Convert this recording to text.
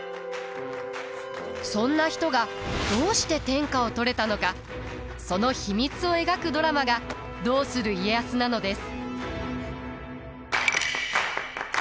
そんな人がどうして天下を取れたのかその秘密を描くドラマが「どうする家康」なのです。